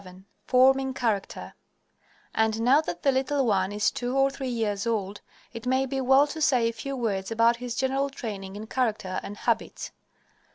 XI FORMING CHARACTER And now that the little one is two or three years old, it may be well to say a few words about his general training in character and habits.